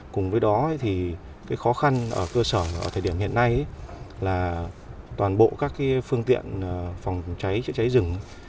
cùng với đó khó khăn cơ sở ở thời điểm hiện nay là toàn bộ các phương tiện phòng cháy chữa cháy rừng